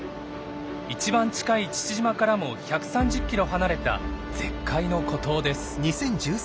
一番近い父島からも１３０キロ離れた絶海の孤島です。